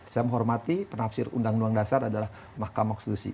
saya menghormati penafsir undang undang dasar adalah mahkamah konstitusi